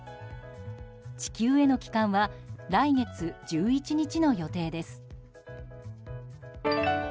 地球への帰還は来月１１日の予定です。